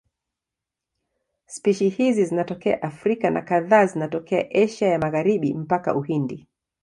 Spishi hizi zinatokea Afrika na kadhaa zinatokea Asia ya Magharibi mpaka Uhindi.